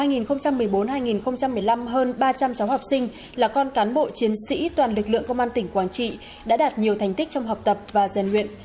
năm hai nghìn một mươi bốn hai nghìn một mươi năm hơn ba trăm linh cháu học sinh là con cán bộ chiến sĩ toàn lực lượng công an tỉnh quảng trị đã đạt nhiều thành tích trong học tập và giàn luyện